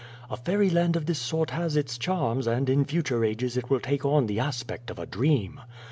A fairy land of this sort has its charms and in future ages it will take on the aspect of a dream.